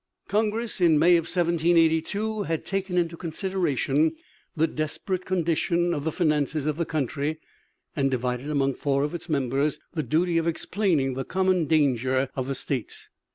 Congress in May, 1782, had taken into consideration the desperate condition of the finances of the country, and divided among four of its members the duty of explaining the common danger of the states.